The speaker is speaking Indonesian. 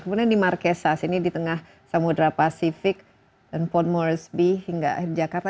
kemudian di marquesas ini di tengah samudera pasifik dan pon moresbe hingga jakarta